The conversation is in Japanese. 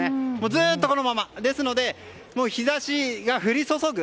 ずっとこのままですので日差しが降り注ぐ。